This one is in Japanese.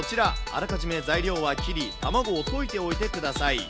あらかじめ材料は切り、卵を溶いておいてください。